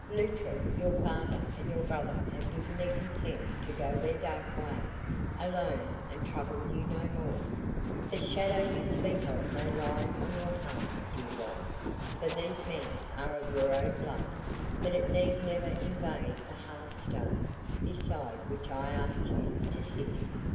"Luttra, your father and your brother have given their consent to go their dark way alone and trouble you no more. The shadow you speak of may lie on your heart, dear wife, for these men are of your own blood, but it need never invade the hearthstone beside which I ask you to sit.